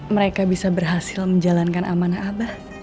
mereka bisa berhasil menjalankan amanah abah